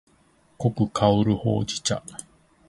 濃く香るほうじ茶